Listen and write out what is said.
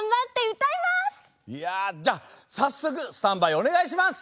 いやじゃあさっそくスタンバイおねがいします！